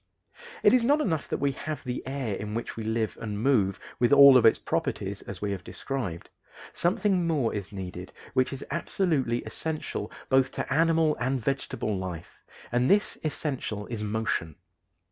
It is not enough that we have the air in which we live and move, with all of its properties, as we have described: something more is needed which is absolutely essential both to animal and vegetable life and this essential is motion.